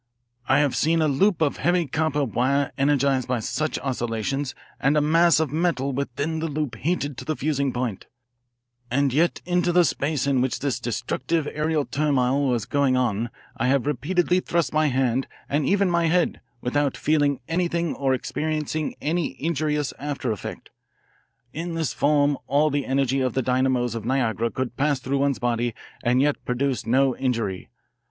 I have seen a loop of heavy copper wire energised by such oscillations and a mass of metal within the loop heated to the fusing point, and yet into the space in which this destructive aerial turmoil was going on I have repeatedly thrust my hand and even my head, without feeling anything or experiencing any injurious after effect. In this form all the energy of all the dynamos of Niagara could pass through one's body and yet produce no injury.